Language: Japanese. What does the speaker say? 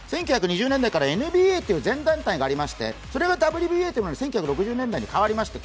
１９２０年代からＮＢＡという前団体がありましてそれがＷＢＡというものに１９６０年代になりました。